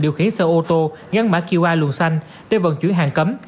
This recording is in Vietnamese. điều khiển xe ô tô gắn mã qr luồng xanh để vận chuyển hàng cấm